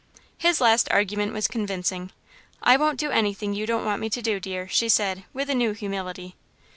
His last argument was convincing. "I won't do anything you don't want me to do, dear," she said, with a new humility.